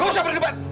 gak usah berdebat